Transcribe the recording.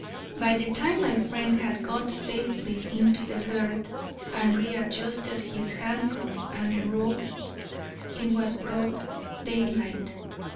By the time my friend had got safely into the berth, and readjusted his handcuffs and the rope, it was broad daylight.